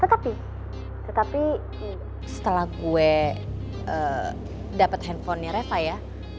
tetapi tetapi setelah gue dapet handphonenya reva ya